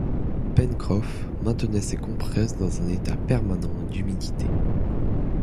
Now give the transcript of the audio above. Pencroff maintenait ses compresses dans un état permanent d’humidité